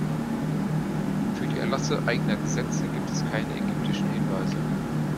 Für die Erlasse eigener Gesetze gibt es keine ägyptischen Hinweise.